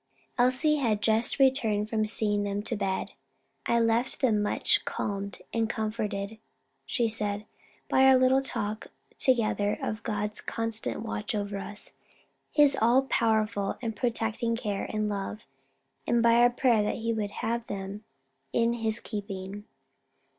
Elsie had just returned from seeing them to bed. "I left them much calmed and comforted," she said, "by our little talk together of God's constant watch over us, His all power and His protecting care and love; and by our prayer that He would have them in his keeping."